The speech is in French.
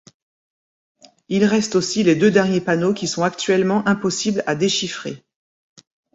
Il reste aussi les deux derniers panneaux qui sont actuellement impossible à déchiffrer.